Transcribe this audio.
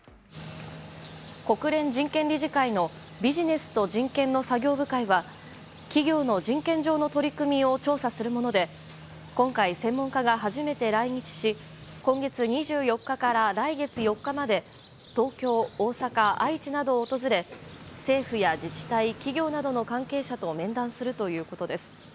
国連人権理事会のビジネスと人権の作業部会は企業の人権上の取り組みを調査するもので今回、専門家が初めて来日し今月２４日から来月４日まで東京、大阪、愛知などを訪れ政府や自治体、企業などの関係者と面談するということです。